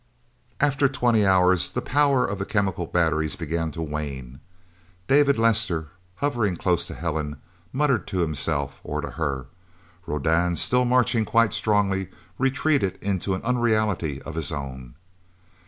After twenty hours, the power of the chemical batteries began to wane. David Lester, hovering close to Helen, muttered to himself, or to her. Rodan, still marching quite strongly, retreated into an unreality of his own.